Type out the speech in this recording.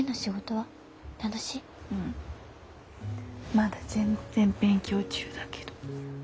まだ全然勉強中だけど。